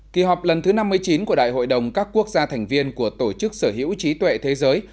kỳ họp lần thứ năm mươi chín của đại hội đồng các quốc gia thành viên của tổ chức sở hữu trí tuệ thế giới